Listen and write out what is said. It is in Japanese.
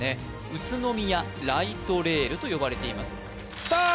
宇都宮ライトレールと呼ばれていますさあ